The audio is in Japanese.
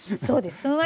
そうです。